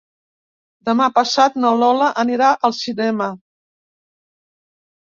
Demà passat na Lola anirà al cinema.